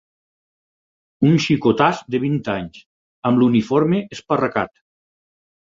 Un xicotàs de vint anys, amb l'uniforme esparracat